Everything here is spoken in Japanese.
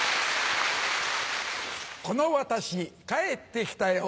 この私帰ってきたよ